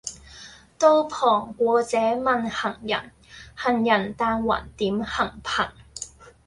道旁過者問行人，行人但云點行頻。